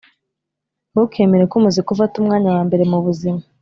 Ntukemere ko umuzika ufata umwanya wa mbere mu buzima